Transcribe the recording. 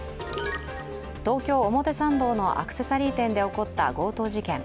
東京・表参道のアクセサリー店で起こった強盗事件。